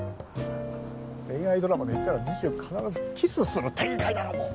恋愛ドラマで言ったら次週必ずキスする展開だろもう。